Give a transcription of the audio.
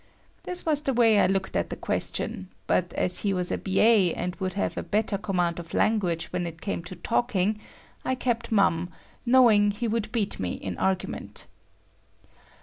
This was the way I looked at the question, but as he was a B. A. and would have a better command of language when it came to talking, I kept mum, knowing he would beat me in argument.